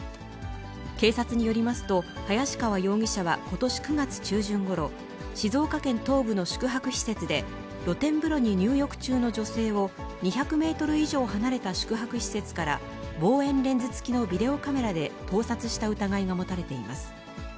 警察によりますと、林川容疑者はことし９月中旬ごろ、静岡県東部の宿泊施設で、露天風呂に入浴中の女性を２００メートル以上離れた宿泊施設から、望遠レンズ付きのビデオカメラで盗撮した疑いが持たれています。